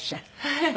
はい。